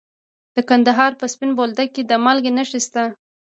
د کندهار په سپین بولدک کې د مالګې نښې شته.